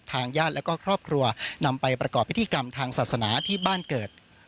ทางญาติและก็ครอบครัวนำไปประกอบพิธีกรรมทางศาสนาที่บ้านเกิด